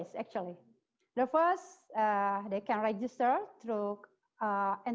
pertama mereka bisa menginstituskan